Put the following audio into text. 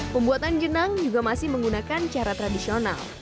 pembuatan jenang juga masih menggunakan cara tradisional